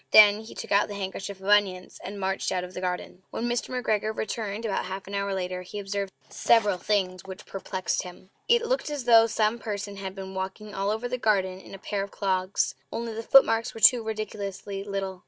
Then he took out the handkerchief of onions, and marched out of the garden. When Mr. McGregor returned about half an hour later he observed several things which perplexed him. It looked as though some person had been walking all over the garden in a pair of clogs only the footmarks were too ridiculously little!